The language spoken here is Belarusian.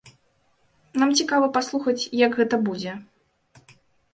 Нам цікава паслухаць, як гэта будзе.